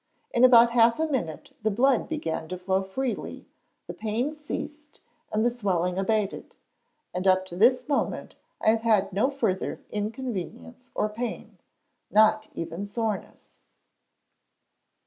In about half a minute the blood began to flow freely, the pain ceased, and the swelling abated, and up to this moment I have had no further inconvenience or pain, not even soreness."